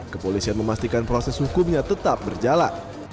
kepolisian memastikan proses hukumnya tetap berjalan